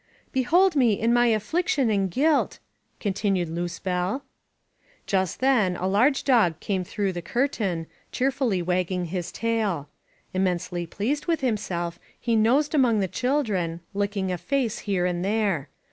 Behold me in my affliction and guilt " contin ued Luzbel. Just then a large dog came through the curtain, cheerfully wagging his tail. Immensely pleased with himself, he nosed among the children, licking a face here and there.